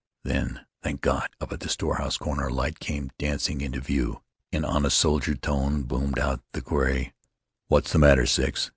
Then, thank God! Up at the storehouse corner a light came dancing into view. In honest soldier tones boomed out the query "What's the matter, Six?"